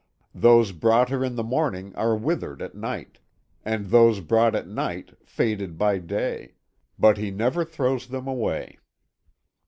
Those brought in the morning are withered at night, and those brought at night, faded by day but he never throws them away.